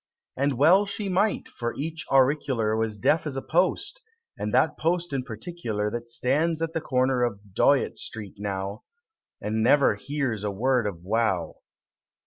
And well she might! for each auricular Was deaf as a post and that post in particular That stands at the corner of Dyott Street now, And never hears a word of a row!